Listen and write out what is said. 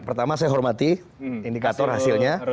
pertama saya hormati indikator hasilnya